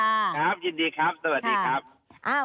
ครับยินดีครับสวัสดีครับ